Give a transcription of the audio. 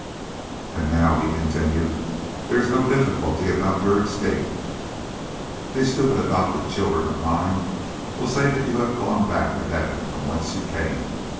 "And now," he continued, "there is no difficulty about your escape. These stupid adopted children of mine will say that you have gone back to heaven from whence you came.